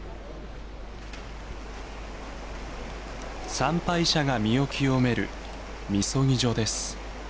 参拝者が身を清めるみそぎ所です。